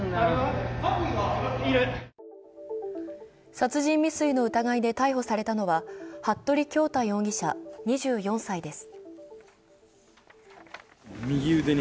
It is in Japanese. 殺人未遂の疑いで逮捕されたのは服部恭太容疑者２４歳です。